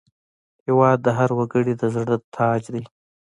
هېواد د هر وګړي د زړه تاج دی.